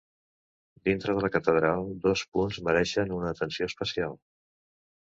Dintre de la catedral dos punts mereixen una atenció especial.